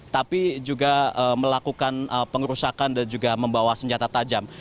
tapi juga melakukan pengerusakan dan juga membawa senjata tajam